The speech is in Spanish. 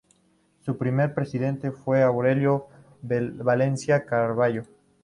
Su primer presidente fue Aurelio Valenzuela Carvallo.